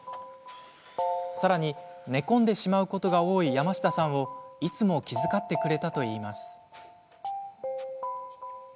さらに寝込んでしまうことが多い山下さんをいつも気遣ってくれたといいます。